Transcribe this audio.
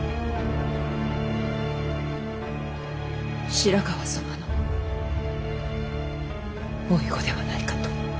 白河様の甥子ではないかと。